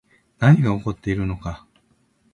何が起こっているのか